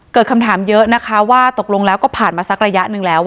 เกิดคำถามเยอะนะคะว่าตกลงแล้วก็ผ่านมาสักระยะหนึ่งแล้ว